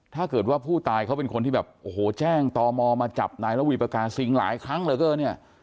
ถ้าเกิดว่าผู้ตายเขาเป็นคนที่แบบโอ้โหแจ้งตมมาจับนายระวีปากาซิงหลายครั้งเหลือเกินเนี่ย